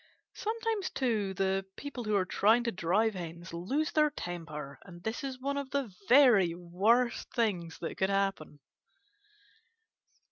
Sometimes, too, the people who are trying to drive Hens lose their temper, and this is one of the very worst things that could happen.